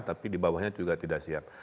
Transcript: tapi di bawahnya juga tidak siap